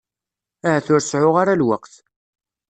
Ahat ur seεεuɣ ara lweqt.